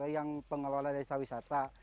yang pengelola desa wisata